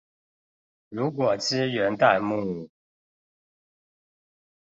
如果支援彈幕